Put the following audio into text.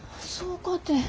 そうかて。